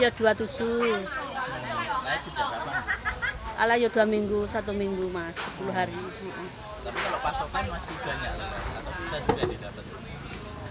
atau susah juga didapat